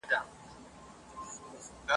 چي له لستوڼي څخه وشړو ماران وطنه ..